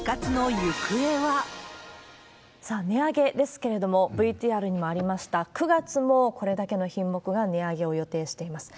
さあ、値上げですけれども、ＶＴＲにもありました、９月もこれだけの品目が値上げを予定しています。